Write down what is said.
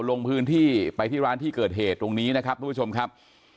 ลงพื้นที่ไปที่ร้านที่เกิดเหตุตรงนี้นะครับทุกผู้ชมครับ